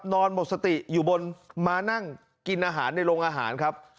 นอนหมดสติอยู่บนมานั่งกินอาหารในโรงอาหารครับ